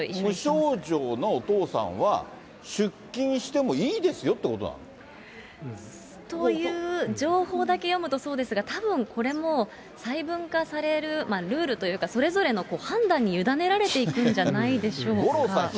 無症状のお父さんは、出勤してもいいですよっていうことなの？という情報だけ読むとそうですが、たぶんこれも、細分化される、ルールというか、それぞれの判断に委ねられていくんじゃないでしょうか。